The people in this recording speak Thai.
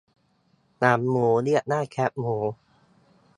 หนังหมูเรียกว่าแคบหมู